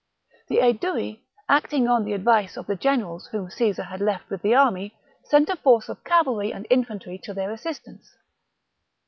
The Aedui, acting on the advice of the generals whom Caesar had left with the army, sent a force of cavalry and infantry to their assistance.